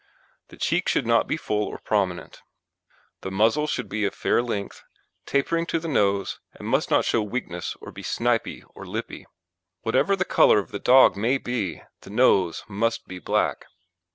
The cheek should not be full or prominent. THE MUZZLE should be of fair length, tapering to the nose, and must not show weakness or be snipy or lippy. Whatever the colour of the dog may be, the nose must be black.